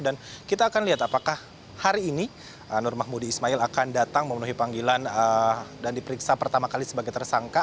dan kita akan lihat apakah hari ini nur mahmudi ismail akan datang memenuhi panggilan dan diperiksa pertama kali sebagai tersangka